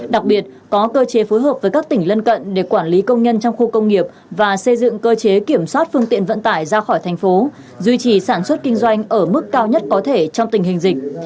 đặc biệt có cơ chế phối hợp với các tỉnh lân cận để quản lý công nhân trong khu công nghiệp và xây dựng cơ chế kiểm soát phương tiện vận tải ra khỏi thành phố duy trì sản xuất kinh doanh ở mức cao nhất có thể trong tình hình dịch